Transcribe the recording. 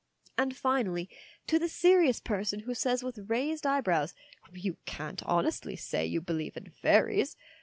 And, finally, to the serious person who says with raised eyebrows, " You can't honestly say you believe in fairies